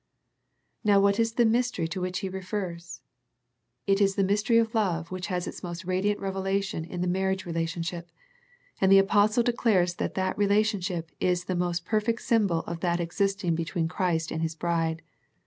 Now what is the mystery to which he refers. It is the mystery of love which has its most radiant revelation in the marriage relationship, and the apostle declares that that relationship is the most perfect symbol of that existing be tween Christ and His Bride.